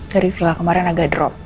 dari villa kemarin agak drop